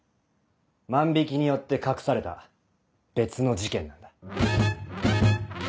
万引によって隠された別の事件なんだ。